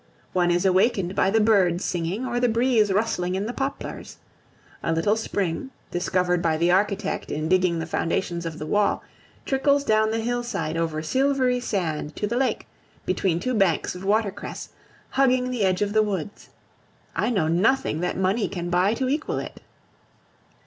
One is awakened by the birds singing or the breeze rustling in the poplars. A little spring, discovered by the architect in digging the foundations of the wall, trickles down the hillside over silvery sand to the lake, between two banks of water cress, hugging the edge of the woods. I know nothing that money can buy to equal it.